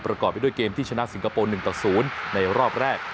ประกอบไปด้วยเกมที่ชนะสิงคโปร์๑ต่อ๐ในรอบแรก